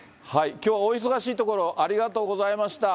きょうはお忙しいところ、ありがとうございました。